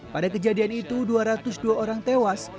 pada kejadian itu dua ratus dua orang tewas